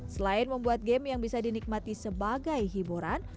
selain membuat game yang bisa dinikmati sebagai hiburan